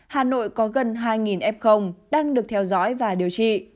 hà nội có gần hai f đang được theo dõi và điều trị